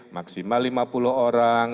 maksimal lima puluh orang